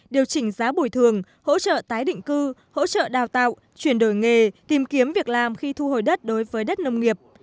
điều chỉnh giá bồi thường hỗ trợ tái định cư hỗ trợ đào tạo chuyển đổi nghề tìm kiếm việc làm khi thu hồi đất đối với đất nông nghiệp